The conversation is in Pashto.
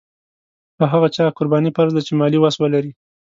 په هغه چا قرباني فرض ده چې مالي وس ولري.